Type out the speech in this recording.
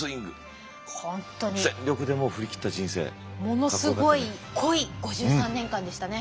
ものすごい濃い５３年間でしたね。